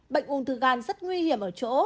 bệnh ung thư gan rất nguy hiểm ở chỗ